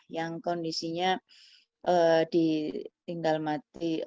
yang kondisinya ditinggal mati